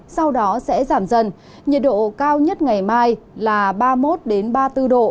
sau đó sẽ giảm dần nhiệt độ cao nhất ngày mai là ba mươi một ba mươi bốn độ